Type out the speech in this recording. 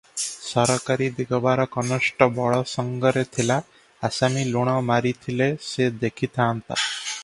ସରକାରୀ ଦିଗବାର କନଷ୍ଟବଳ ସଙ୍ଗରେ ଥିଲା, ଆସାମୀ ଲୁଣ ମାରିଥିଲେ ସେ ଦେଖି ଥାଆନ୍ତା ।